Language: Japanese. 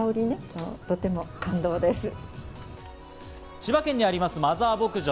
千葉県にあります、マザー牧場。